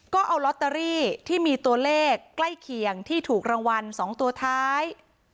ก็เอาลอตเตอรี่ที่มีตัวเลขใกล้เคียงที่ถูกรางวัล๒ตัวท้าย